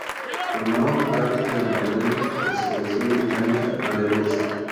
Formaban parte de la novena expedición británica al Everest.